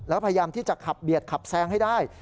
แล้วพยายามที่จะขับเบียดขับแซงให้ได้